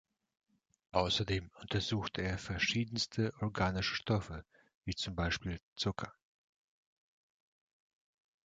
Außerdem untersuchte er verschiedenste organische Stoffe, wie zum Beispiel Zucker.